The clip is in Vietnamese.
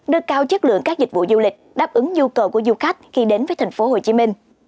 đưa cao chất lượng các dịch vụ du lịch đáp ứng nhu cầu của du khách khi đến với thành phố hồ chí minh